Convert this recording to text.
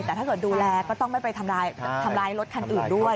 แต่ถ้าเกิดดูแลก็ต้องไม่ไปทำร้ายรถคันอื่นด้วย